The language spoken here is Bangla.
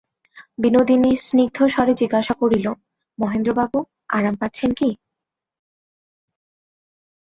বিনোদিনী স্নিগ্ধস্বরে জিজ্ঞাসা করিল, মহেন্দ্রবাবু, আরাম পাচ্ছেন কি।